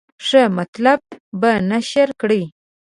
ښه مطالب به نشر کړي.